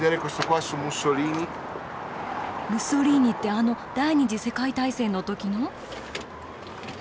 ムッソリーニってあの第２次世界大戦の時の？